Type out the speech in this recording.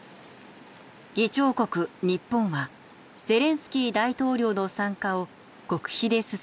議長国日本はゼレンスキー大統領の参加を極秘で進めていました。